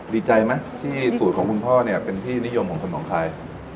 ดีใจไหมที่สูตรของคุณพ่อเนี่ยเป็นที่นิยมของคนหนองคาย